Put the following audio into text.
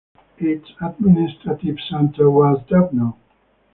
Its administrative centre was Dubno.